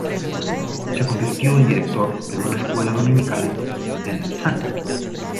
Se convirtió en director de una escuela dominical en St.